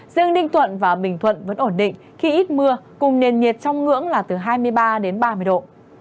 riêng ninh thuận và bình thuận vẫn ổn định khi ít mưa cùng nền nhiệt trong ngưỡng là từ hai mươi ba đến ba mươi độ